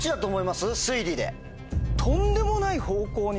推理で。